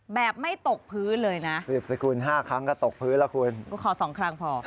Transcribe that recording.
แบบไม่ตกพื้นเลยนะครับคุณฟิลี่อะคุณโทษขอสองครั้งพอ